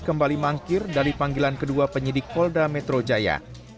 kembali mangkir dari panggilan kedua penyidik polda metro jaya